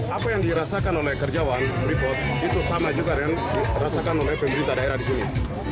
apa yang dirasakan oleh karyawan freeport itu sama juga dengan dirasakan oleh pemerintah daerah di sini